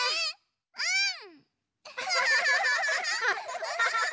うん！